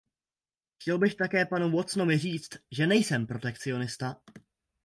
Chtěl bych také panu Watsonovi říct, že nejsem protekcionista.